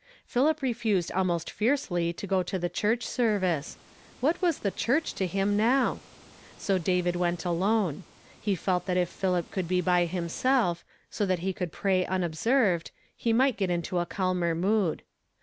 Philip refused almost fiercelv to o o tn th^ S16 YESTERDAY ERAIStED IN TO DAY. church service, — what was the church to liim now? So "David went alone. He felt that if Philip could be by himself, so that he could pray unobserved, he might get into a calmer mood.